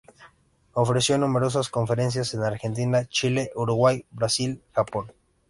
Ofreció numerosas conferencias en Argentina, Chile, Uruguay, Brasil, Japón.